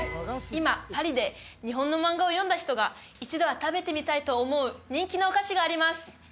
今パリで日本の漫画を読んだ人が一度は食べてみたいと思う人気のお菓子があります